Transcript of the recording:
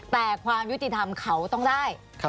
แต่ความยุติธรรมเขาต้องได้